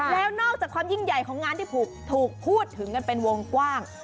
แล้วนอกจากความยิ่งใหญ่ของงานที่ถูกพูดถึงกันเป็นวงกว้าง